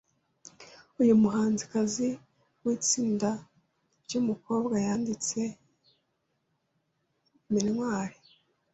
Uyu muhanzikazi witsinda ryumukobwa yanditse memware